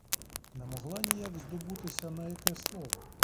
Не могла ніяк здобутися на яке слово.